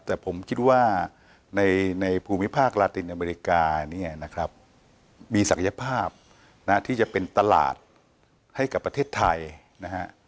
แต่ผมคิดว่าในภูมิภาคลาตินอเมริกาเนี่ยนะครับมีศักยภาพนะที่จะเป็นตลาดให้กับประเทศไทยนะฮะ